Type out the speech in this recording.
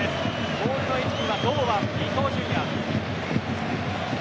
ボールの位置は堂安、伊東純也。